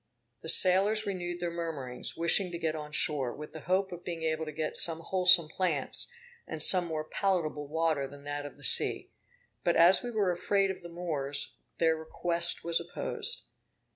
The sailors renewed their murmurings, wishing to get on shore, with the hope of being able to get some wholesome plants, and some more palatable water than that of the sea; but as we were afraid of the Moors, their request was opposed.